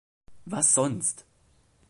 Was sonst?